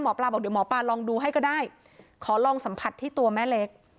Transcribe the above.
หมอปลาบอกเดี๋ยวหมอปลาลองดูให้ก็ได้ขอลองสัมผัสที่ตัวแม่เล็ก